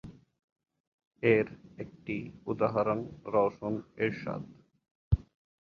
এর একটি উদাহরণ রওশন এরশাদ।